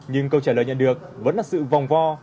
nhưng câu trả lời nhận được vẫn là sự vòng vo